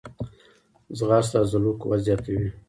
ځغاسته د عضلو قوت زیاتوي